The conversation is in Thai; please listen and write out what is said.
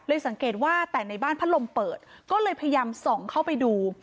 สังเกตว่าแต่ในบ้านพัดลมเปิดก็เลยพยายามส่องเข้าไปดู